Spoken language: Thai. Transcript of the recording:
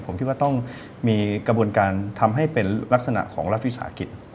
ผมคิดว่าต้องมีกระบวนการทำให้เป็นลักษณะของรัฐวิสาหกิจ